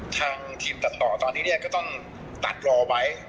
ทางทีมตัดต่อตอนที่เนี่ยก็ต้องตัดรอไว้